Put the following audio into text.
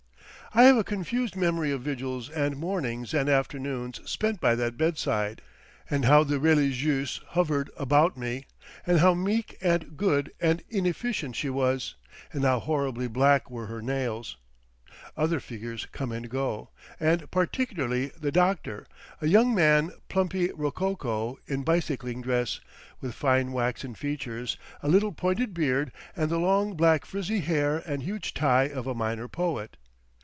I have a confused memory of vigils and mornings and afternoons spent by that bedside, and how the religieuse hovered about me, and how meek and good and inefficient she was, and how horribly black were her nails. Other figures come and go, and particularly the doctor, a young man plumply rococo, in bicycling dress, with fine waxen features, a little pointed beard, and the long black frizzy hair and huge tie of a minor poet.